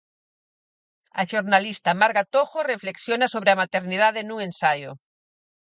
A xornalista Marga Tojo reflexiona sobre a maternidade nun ensaio.